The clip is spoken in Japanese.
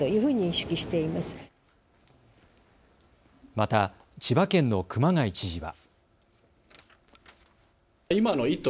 また、千葉県の熊谷知事は。